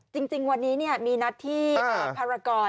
จริงวันนี้มีนัดที่ภารกร